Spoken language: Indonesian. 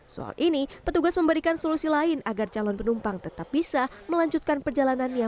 soal ini petugas memberikan solusi lain agar calon penumpang tetap bisa melanjutkan perjalanannya